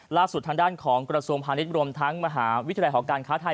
ล่าสุดทางด้านของกรุศวงภาคนิย์บริษฐีมหาวิทยาลวิทยาลัยของการข้าวไทย